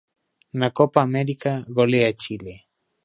Na Copa América golea Chile.